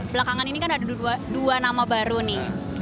belakangan ini kan ada dua nama baru nih